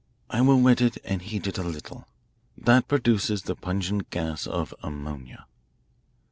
I will wet it and heat it a little. That produces the pungent gas of ammonia.